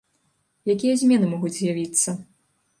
Якія змены могуць з'явіцца?